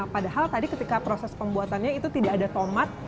padahal tadi ketika proses pembuatannya itu tidak ada tomat